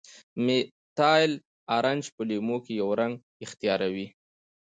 میتایل ارنج په لیمو کې یو رنګ اختیاروي.